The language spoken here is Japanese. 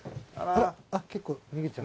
あっ結構逃げちゃう。